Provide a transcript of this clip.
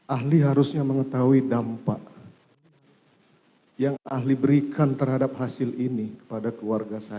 ahli harusnya mengetahui dampak yang ahli berikan terhadap hasil ini kepada keluarga saya